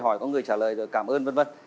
hỏi có người trả lời rồi cảm ơn v v